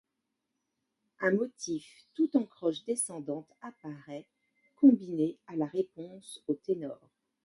Un motif tout en croches descendantes apparaît, combiné à la réponse au ténor.